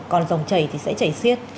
còn dòng chảy thì sẽ chảy xiết